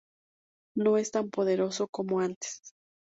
No es tan poderoso como antes.